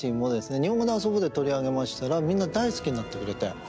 「にほんごであそぼ」で取り上げましたらみんな大好きになってくれて。